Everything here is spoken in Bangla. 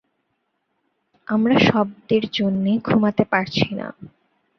আমরা শব্দের জন্যে ঘুমাতে পারছি না।